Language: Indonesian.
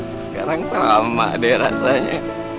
sekarang sama deh rasanya